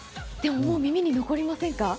もう耳に残りませんか？